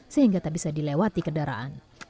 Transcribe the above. sehingga tak bisa dilewati kendaraan